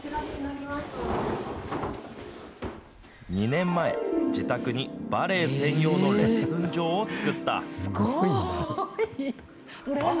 ２年前、自宅にバレエ専用のレッスン場を作った。